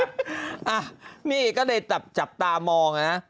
อ่ะนี่ก็เลยจับตามองนะ